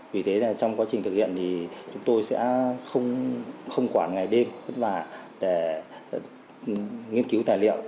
vì thế trong quá trình thực hiện thì chúng tôi sẽ không quản ngày đêm vất vả để nghiên cứu tài liệu